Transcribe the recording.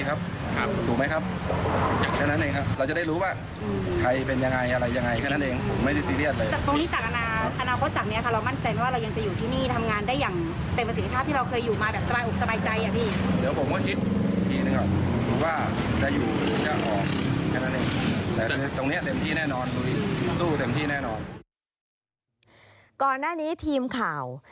ก่อนหน้านี้ทีมข่าว